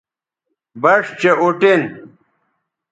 بَݜ چہء اُٹین